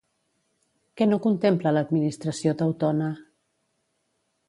Què no contempla l'administració teutona?